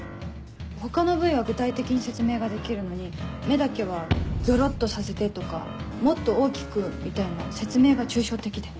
他の部位は具体的に説明ができるのに目だけは「ギョロっとさせて」とか「もっと大きく」みたいな説明が抽象的で。